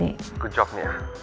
untuk menemui kepala hrd